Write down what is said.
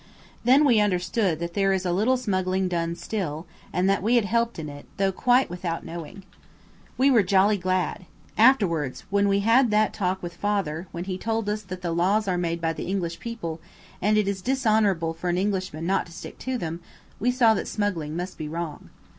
Then we understood that there is a little smuggling done still, and that we had helped in it, though quite without knowing. We were jolly glad. Afterwards, when we had had that talk with Father, when he told us that the laws are made by the English people, and it is dishonourable for an Englishman not to stick to them, we saw that smuggling must be wrong.